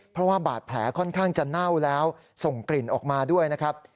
เพราะว่าบาดแผลค่อนข้างจะเน่าแล้วส่งกลิ่นออกมาด้วยนะครับ